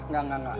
gak gak gak